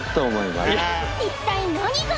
一体何が？